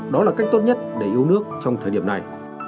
đó là cách tốt nhất để yêu nước trong thời điểm này